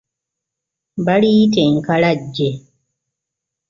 Baliyita enkalajje.